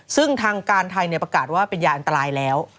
ซึ่งทางการไทยประกาศว่าเป็นยาอันตรายแล้ว